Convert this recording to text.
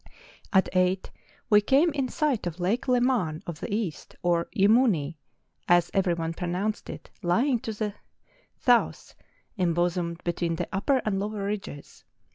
At eight we came in sight of Lake Leman of the East, or Yemouni, as every one pronounced it, lying to the south, em¬ bosomed between the upper and lower ridges.